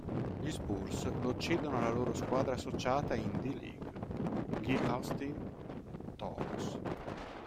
Gli Spurs lo cedono alla loro squadra associata in D-League, gli Austin Toros.